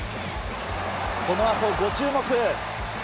このあとご注目。